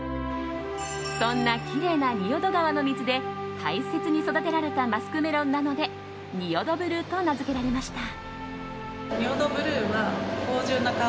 そんなきれいな仁淀川の水で大切に育てられたマスクメロンなので仁淀ブルーと名付けられました。